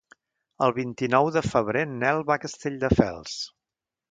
El vint-i-nou de febrer en Nel va a Castelldefels.